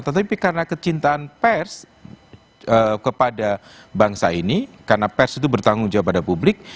tetapi karena kecintaan pers kepada bangsa ini karena pers itu bertanggung jawab pada publik